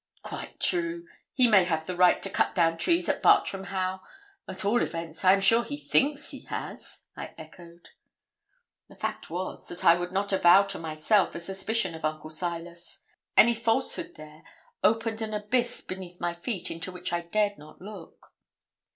'Quite true. He may have the right to cut down trees at Bartram Haugh. At all events, I am sure he thinks he has,' I echoed. The fact was, that I would not avow to myself a suspicion of Uncle Silas. Any falsehood there opened an abyss beneath my feet into which I dared not look.